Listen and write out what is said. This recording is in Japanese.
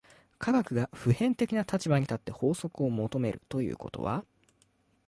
科学が普遍的な立場に立って法則を求めるということは、